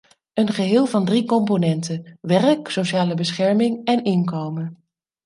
Een geheel van drie componenten: werk, sociale bescherming en inkomen.